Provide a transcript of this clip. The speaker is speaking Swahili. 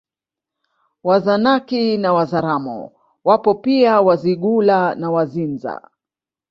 Wazanaki na Wazaramo wapo pia Wazigula na Wazinza